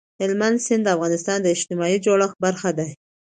هلمند سیند د افغانستان د اجتماعي جوړښت برخه ده.